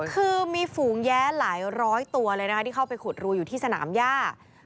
คือมีฝูงแย้หลายร้อยตัวเลยนะคะที่เข้าไปขุดรูอยู่ที่สนามย่า